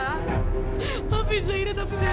tapi zaira tak peduli